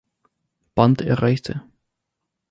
Band erreichte.